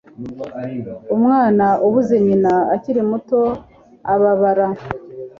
umwana ubuze nyina akiri muto ababara